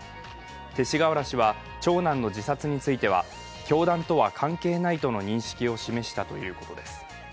勅使河原氏は長男の自殺については教団とは関係ないという認識を示したということです。